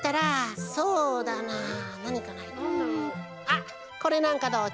あっこれなんかどう？